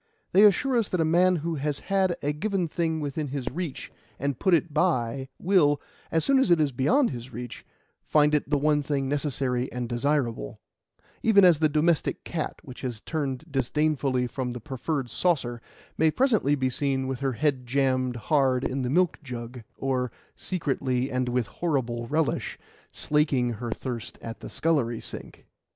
They assure us that a man who has had a given thing within his reach and put it by, will, as soon as it is beyond his reach, find it the one thing necessary and desirable; even as the domestic cat which has turned disdainfully from the preferred saucer, may presently be seen with her head jammed hard in the milk jug, or, secretly and with horrible relish, slaking her thirst at the scullery sink.